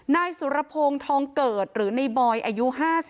นายสุรพงศ์ทองเกิดหรือในบอยอายุ๕๓